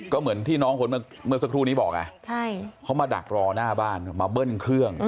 ก็เหมือนที่น้องคนเมื่อสักครู่นี้บอกไงเขามาดักรอหน้าบ้านมาเบิ้ลเครื่อง